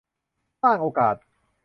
สร้างโอกาส